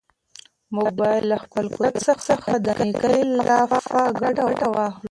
موږ باید له خپل قدرت څخه د نېکۍ لپاره ګټه واخلو.